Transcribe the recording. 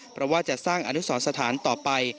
เพราะว่าจะสร้างอนุสรสถานต่อไป